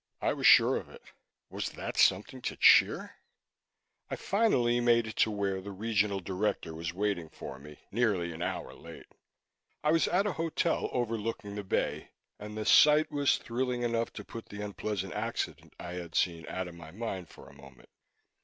I was sure of it. Was that something to cheer? I finally made it to where the Regional Director was waiting for me nearly an hour late. It was at a hotel overlooking the Bay, and the sight was thrilling enough to put the unpleasant accident I had seen out of my mind for a moment.